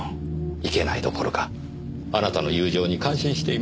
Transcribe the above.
いけないどころかあなたの友情に感心しています。